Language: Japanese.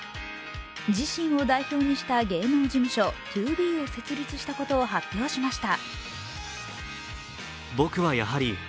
自身を代表にした芸能事務所、ＴＯＢＥを設立したことを発表しました。